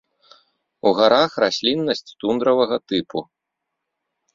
У гарах расліннасць тундравага тыпу.